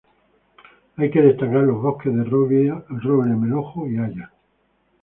Hay que destacar los bosques de roble melojo y haya.